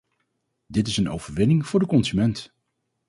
Dit is een overwinning voor de consument.